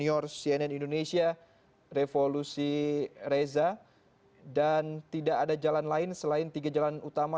senior cnn indonesia revolusi reza dan tidak ada jalan lain selain tiga jalan utama